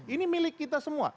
ini milik kita semua